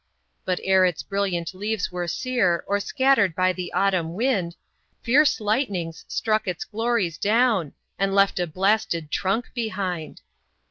But ere its brilliant leaves were sere, Or scattered by the Autumn wind, Fierce lightnings struck its glories down, And left a blasted trunk behind.